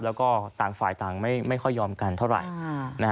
แล้วก็ต่างฝ่ายต่างไม่ค่อยยอมกันเท่าไหร่